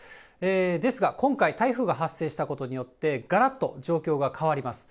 ですが今回、台風が発生したことによって、がらっと状況が変わります。